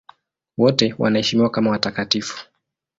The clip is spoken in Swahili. Wote wanaheshimiwa kama watakatifu.